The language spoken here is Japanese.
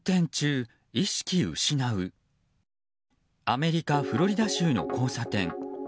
アメリカ・フロリダ州の交差点。